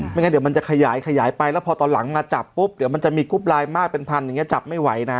งั้นเดี๋ยวมันจะขยายขยายไปแล้วพอตอนหลังมาจับปุ๊บเดี๋ยวมันจะมีกรุ๊ปไลน์มากเป็นพันอย่างนี้จับไม่ไหวนะ